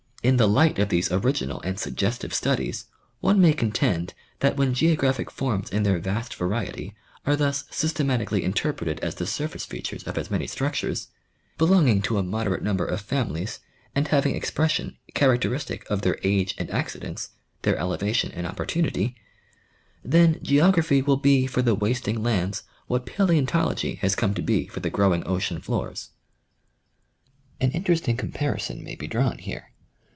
In the light of these original and suggestive studies one may contend that when geographic forms in their vast variety are thus systematically interpreted as the surface features of as many structures, belong ing to a moderate number of families and having expression characteristic of their age and accidents, their elevation and opportunity, then geography will be for the wasting Unds what palaeontology has come to be for the growing ocean floors. An interesting compai'ison may be drawn here.